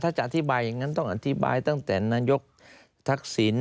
ถ้าจะอธิบายอย่างนั้นต้องอธิบายตั้งแต่นายกทักษิณ